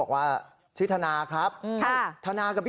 เหมือนคุณทานาทอน